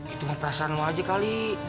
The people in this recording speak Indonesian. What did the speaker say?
itu ngeperasaan lo aja kali